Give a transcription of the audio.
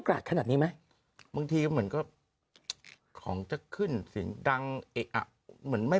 พลิกต๊อกเต็มเสนอหมดเลยพลิกต๊อกเต็มเสนอหมดเลย